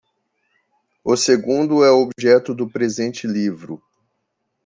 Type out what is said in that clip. O segundo é o objeto do presente livro.